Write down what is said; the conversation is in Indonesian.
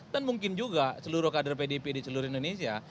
dan mungkin juga seluruh kadir pdp di seluruh indonesia